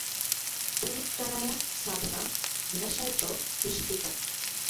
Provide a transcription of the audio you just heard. পরিত্রাণায়া সাধূনাং বিনাশায় চ দুষ্কৃতাম্।